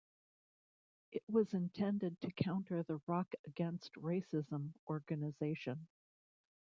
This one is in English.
It was intended to counter the Rock Against Racism organisation.